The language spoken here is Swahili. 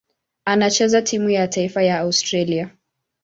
Anachezea timu ya taifa ya Australia.